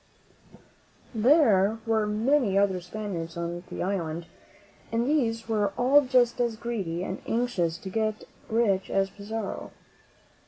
There were many other Spaniards on the island, and these were all just as greedy and anxious to get rich as Pizarro.